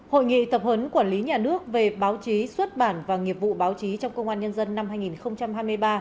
hội nghị tập huấn quản lý nhà nước về báo chí xuất bản và nghiệp vụ báo chí trong công an nhân dân năm hai nghìn hai mươi ba